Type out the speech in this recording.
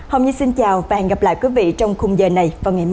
hôm nay xin chào và hẹn gặp lại quý vị trong khung giờ này vào ngày mai